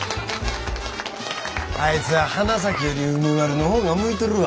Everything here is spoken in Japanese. あいつは花咲より梅丸の方が向いとるわ。